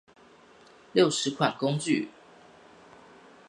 六十款工具